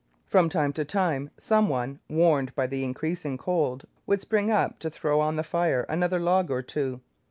From time to time some one, warned by the increasing cold, would spring up to throw on the fire another log or two.